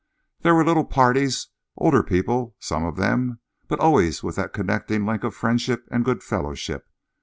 There were little parties, older people some of them, but always with that connecting link of friendship and good fellowship.